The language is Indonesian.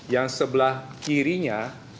yang sebelah kirinya